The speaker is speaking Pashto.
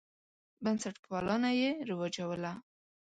بنسټپالنه یې رواجوله.